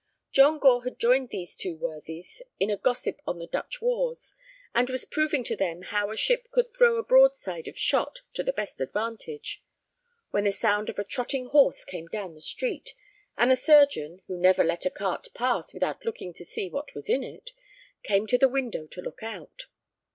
John Gore had joined these worthies in a gossip on the Dutch wars, and was proving to them how a ship could throw a broadside of shot to the best advantage, when the sound of a trotting horse came down the street, and the surgeon, who never let a cart pass without looking to see what was in it, came to the window to look out.